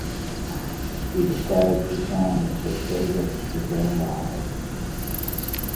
She describes the song as her favourite to perform live.